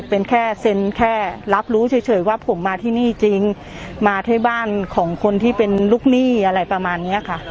เป็นแค่เซ็นแค่รับรู้เฉยว่าผมมาที่นี่จริงมาที่บ้านของคนที่เป็นลูกหนี้อะไรประมาณนี้ค่ะ